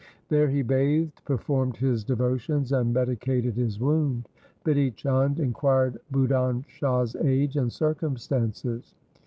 There he bathed, performed his de votions, and medicated his wound. Bidhi Chand inquired Budhan Shah's age and circumstances.